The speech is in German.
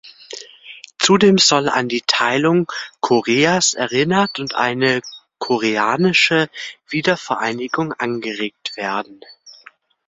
Zudem soll an die Teilung Koreas erinnert und eine koreanische Wiedervereinigung angeregt werden.